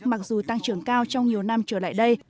mặc dù tăng trưởng cao trong nhiều năm trở lại đây